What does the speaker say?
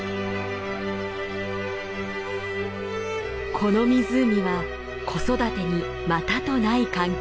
この湖は子育てにまたとない環境。